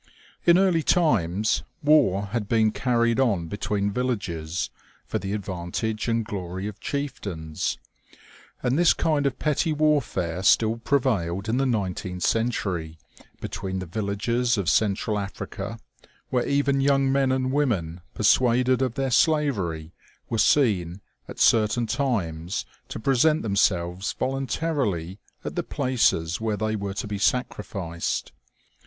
In early times, war had been carried on between villages, for the advan tage and glory of chieftains, and this kind of petty warfare still prevailed in the nineteenth century, between the vil lages of central Africa, where even young men and women, persuaded of their slavery, were seen, at certain times, to present themselves voluntarily at the places where they were to be sacrificed.